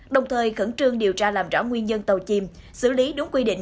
đồng thời khẩn trương điều tra làm rõ nguyên nhân tàu chìm xử lý đúng quy định